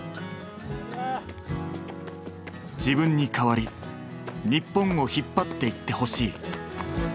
自分に代わり日本を引っ張っていってほしい。